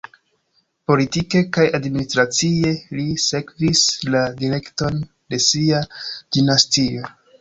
Politike kaj administracie li sekvis la direkton de sia dinastio.